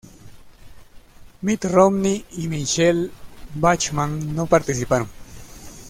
Mitt Romney y Michele Bachmann no participaron.